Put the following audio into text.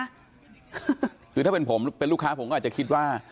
คือถ้าเป็นผมเป็นลูกค้าผมก็อาจจะคิดว่า